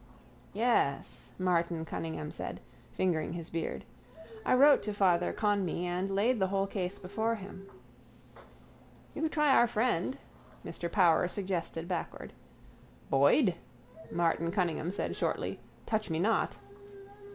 —Yes, Martin Cunningham said, fingering his beard. I wrote to Father Conmee and laid the whole case before him. —You could try our friend, Mr Power suggested backward. —Boyd? Martin Cunningham said shortly. Touch me not.